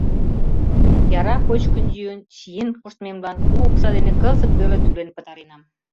Яра кочкын-йӱын, чиен коштмемлан у окса дене кызыт веле тӱлен пытаренам.